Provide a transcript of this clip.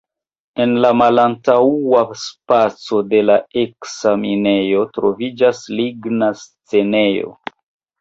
En la malantaŭa spaco de la eksa minejo troviĝas ligna scenejo.